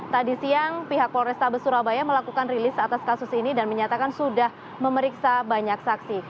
tadi siang pihak polrestabes surabaya melakukan rilis atas kasus ini dan menyatakan sudah memeriksa banyak saksi